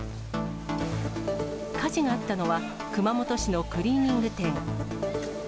火事があったのは、熊本市のクリーニング店。